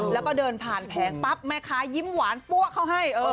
แล้วก็เดินผ่านแผงปั๊บแม่ค้ายิ้มหวานปั้วเข้าให้